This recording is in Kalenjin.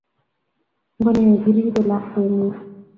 Ngo ne ko ripe lakwet ngug?